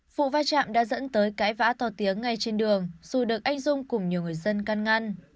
vụ va chạm đã dẫn tới cãi vã to tiếng ngay trên đường dù được anh dung cùng nhiều người dân căn ngăn